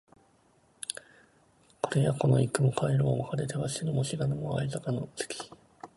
これやこの行くも帰るも別れては知るも知らぬも逢坂の関